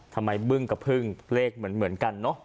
บึ้งกับพึ่งเลขเหมือนกันเนอะ